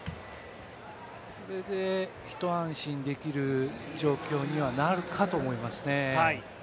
これで一安心できる状況にはなるかと思います。